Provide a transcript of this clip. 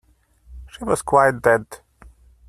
She was quite dead.